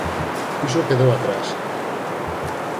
Iso quedou atrás.